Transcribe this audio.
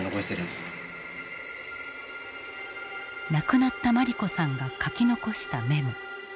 亡くなった茉莉子さんが書き残したメモ。